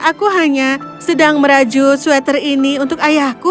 aku hanya sedang merajut sweater ini untuk ayahku